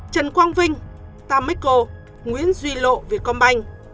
trần quang vinh tam mecco nguyễn duy lộ việt công banh